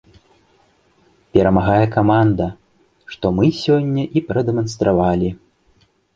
Перамагае каманда, што мы сёння і прадэманстравалі.